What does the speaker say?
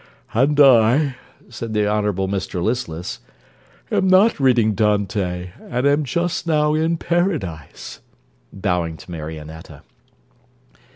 'And I' said the Honourable Mr Listless, 'am not reading Dante, and am just now in Paradise,' bowing to Marionetta.